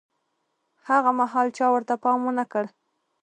هاغه مهال چا ورته پام ونه کړ.